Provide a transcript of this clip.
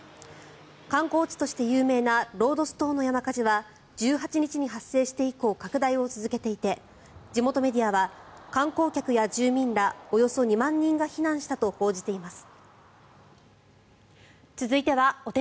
観光地として有名なロードス島の山火事は１８日に発生して以降拡大を続けていて地元メディアは観光客や住民らおよそ２万人が避難したと報じています。